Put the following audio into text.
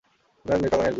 তুই আর তোর কালা নিগ্রো।